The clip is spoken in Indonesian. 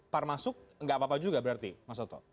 par masuk nggak apa apa juga berarti mas oto